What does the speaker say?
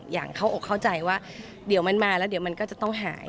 อย่างเข้าอกเข้าใจว่าเดี๋ยวมันมาแล้วเดี๋ยวมันก็จะต้องหาย